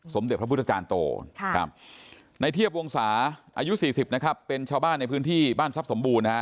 เด็จพระพุทธจารย์โตในเทียบวงศาอายุ๔๐นะครับเป็นชาวบ้านในพื้นที่บ้านทรัพย์สมบูรณ์นะฮะ